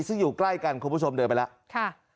ซึ่งอยู่ใกล้กันคุณผู้ชมเดินไปแล้ว